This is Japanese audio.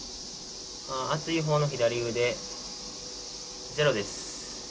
暑いほうの左腕、ゼロです。